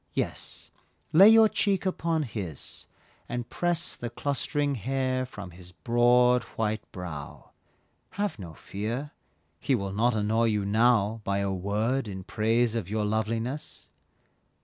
Yes, lay your cheek upon his, and press The clustering hair from his broad white brow, Have no fear, he will not annoy you now By a word in praise of your loveliness.